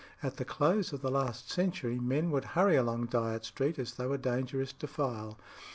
At the close of the last century men would hurry along Dyot Street as through a dangerous defile.